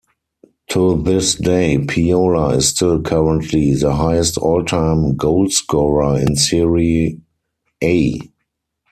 To this day, Piola is still currently the highest all-time goalscorer in Serie A.